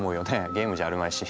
ゲームじゃあるまいし。